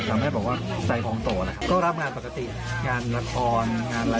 ทำให้ด้วยใจของโตนะครับ